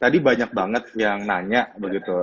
tadi banyak banget yang nanya begitu